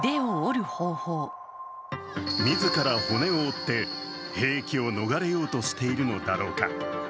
自ら骨を折って兵役を逃れようとしているのだろうか。